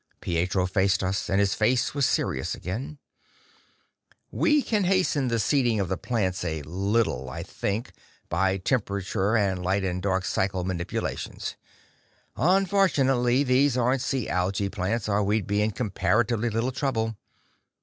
Pietro faced us, and his face was serious again. "We can hasten the seeding of the plants a little, I think, by temperature and light and dark cycle manipulations. Unfortunately, these aren't sea algae plants, or we'd be in comparatively little trouble.